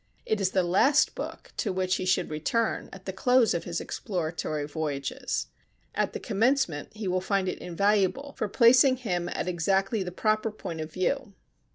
It is the last book to which he should return at the close of his exploratory voyages. At the commencement he will find it invaluable for placing him at the exactly proper point of view.